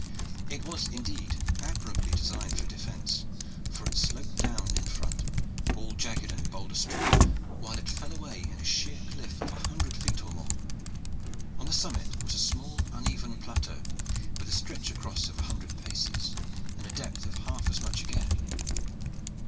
It was indeed admirably designed for defence, for it sloped down in front, all jagged and boulder strewn, while it fell away in a sheer cliff of a hundred feet or more. On the summit was a small uneven plateau, with a stretch across of a hundred paces, and a depth of half as much again.